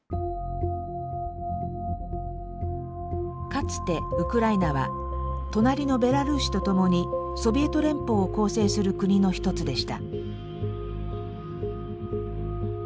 かつてウクライナは隣のベラルーシとともにソビエト連邦を構成する国の１つでした。